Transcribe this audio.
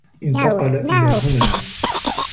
انتقل إلى هنا.